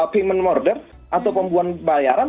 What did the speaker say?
kement murder atau pembuangan bayaran